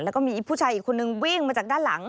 แล้วก็มีผู้ชายอีกคนนึงวิ่งมาจากด้านหลัง